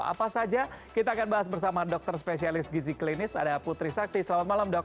apa saja kita akan bahas bersama dokter spesialis gizi klinis ada putri sakti selamat malam dok